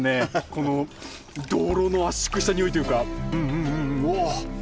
この泥の圧縮したにおいというかうんうんうんうん。